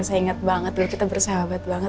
saya inge banget dulu kita bersawabet ya sahat evidential